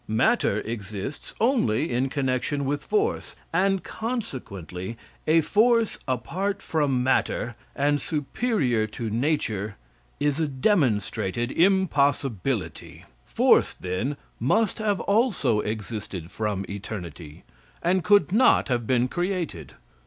Matter exists only in connection with force, and consequently a force apart from matter, and superior to nature, is a demonstrated impossibility. Force, then, must have also existed from eternity, and could not have been created.